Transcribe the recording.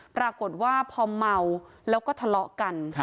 ปรากฏว่าพอเมาแล้วก็ทะเลาะกัน